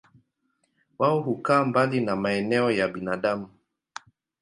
Wao hukaa mbali na maeneo ya binadamu.